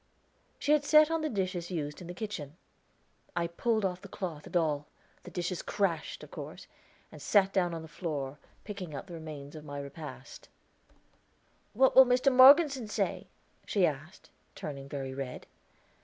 She had set on the dishes used in the kitchen. I pulled off cloth and all the dishes crashed, of course and sat down on the floor, picking out the remains for my repast. "What will Mr. Morgeson say?" she asked, turning very red.